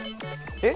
え？